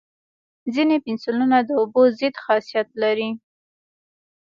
ځینې پنسلونه د اوبو ضد خاصیت لري.